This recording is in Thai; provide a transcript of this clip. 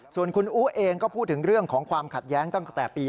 ส่วนคุณอู๋เองก็พูดถึงเรื่องของความขัดแย้งตั้งแต่ปี๒๕